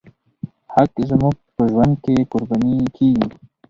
حق زموږ په ژوند کې قرباني کېږي.